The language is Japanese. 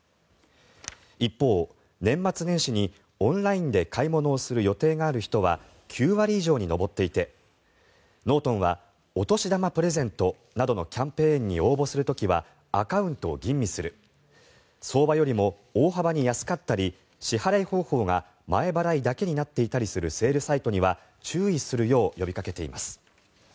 一方、年末年始にオンラインで買い物をする予定がある人は９割以上に上っていてノートンはお年玉プレゼントなどのキャンペーンに応募する時はアカウントを吟味する相場よりも大幅に安かったり支払方法が前払いだけになっていたりするセールサイトには注意するよう呼びかけています。